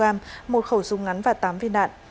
một khẩu súng ngắn và tám viên đạn